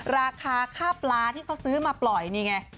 ราคาค่าปลาที่เขาซื้อมาปล่อยนี่ไง